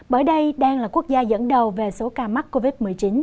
bởi đây đang là quốc gia dẫn đầu về số ca mắc covid một mươi chín